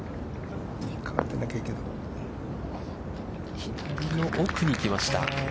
左の奥に来ました。